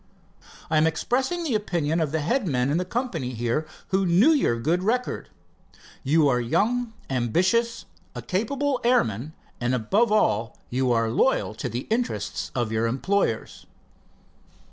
"I am expressing the opinion of the head men in the company here, who knew your good record. You are young, ambitious, a capable airman, and above all you are loyal to the interest of your employers."